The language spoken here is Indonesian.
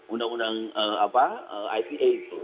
undang undang apa ite itu